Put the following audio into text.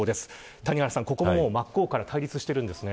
谷原さん、ここも真っ向から対立しているんですね。